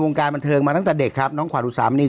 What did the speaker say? การบันเทิงมาตั้งแต่เด็กครับน้องขวานอุสามนี่